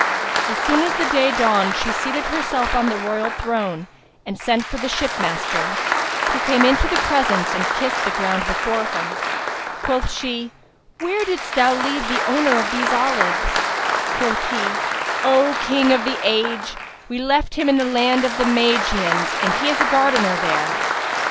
As soon as day dawned she seated herself on the royal throne and sent for the ship master, who came into the presence and kissed the ground before her. Quoth she, "Where didst thou leave the owner of these olives?" Quoth he, "O King of the age, we left him in the land of the Magians and he is a gardener there."